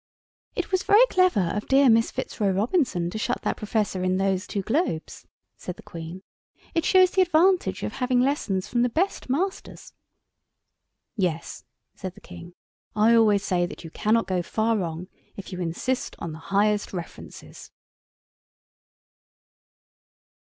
"It was very clever of dear Miss Fitzroy Robinson to shut up that Professor in those two globes," said the Queen; "it shows the advantage of having lessons from the best Masters." "Yes," said the King, "I always say that you cannot go far wrong if you insist on the highest references!"